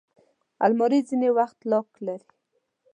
الماري ځینې وخت لاک لري